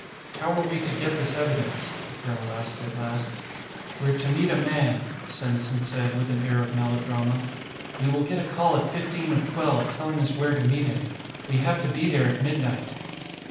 "How are we to get this evidence?" the colonel asked at last. "We're to meet a man," Senesin said, with an air of melodrama. "We will get a call at fifteen of twelve, telling us where to meet him. We have to be there at midnight."